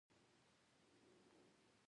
ولې پښتو ژبه په کې نه شته.